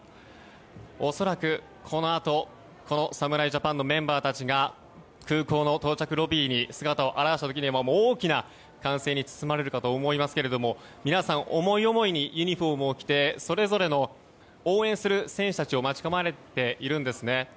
恐らく、このあと侍ジャパンのメンバーたちが空港の到着ロビーに姿を現した時には大きな歓声に包まれるかと思いますけど皆さん、思い思いにユニホームを着てそれぞれの応援する選手たちを待ち構えているんですね。